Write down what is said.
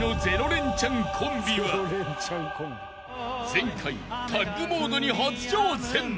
［前回タッグモードに初挑戦］